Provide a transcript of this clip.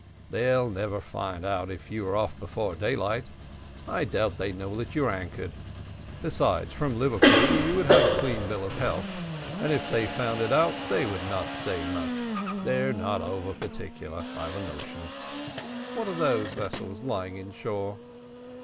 "They'll never find you out if you are off before daylight; I doubt if they know that you are anchored. Besides, from Liverpool you would have a clean bill of health, and if they found it out, they would not say much; they're not over particular, I've a notion." "What are those vessels lying inshore?"